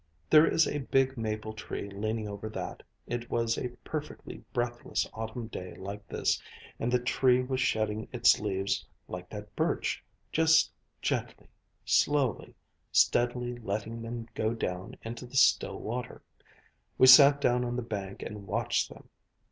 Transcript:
There is a big maple tree leaning over that. It was a perfectly breathless autumn day like this, and the tree was shedding its leaves like that birch, just gently, slowly, steadily letting them go down into the still water. We sat down on the bank and watched them.